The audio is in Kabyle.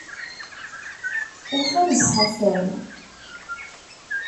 Ufan-d Ḥasan.